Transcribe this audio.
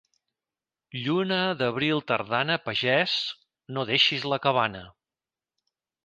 Lluna d'abril tardana, pagès, no deixis la cabana.